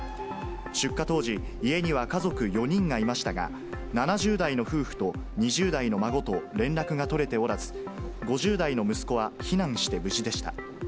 出火当時、家には家族４人がいましたが、７０代の夫婦と２０代の孫と連絡が取れておらず、５０代の息子は避難して無事でした。